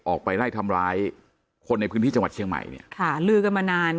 ออกไปไล่ทำร้ายคนในพื้นที่จังหวัดเชียงใหม่เนี่ยค่ะลือกันมานาน